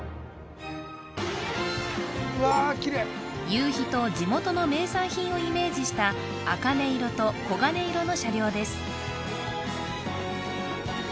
夕日と地元の名産品をイメージした茜色と黄金色の車両です